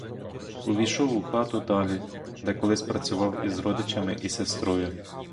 Увійшов у хату далі, де колись працював із родичами і сестрою.